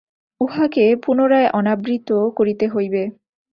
উহাকে পুনরায় অনাবৃত করিতে হইবে।